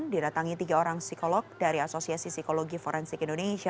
didatangi tiga orang psikolog dari asosiasi psikologi forensik indonesia